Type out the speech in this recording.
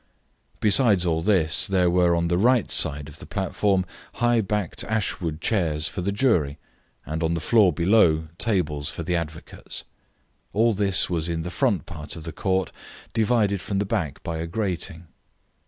Besides all this, there were on the right side of the platform high backed ashwood chairs for the jury, and on the floor below tables for the advocates. All this was in the front part of the court, divided from the back by a grating.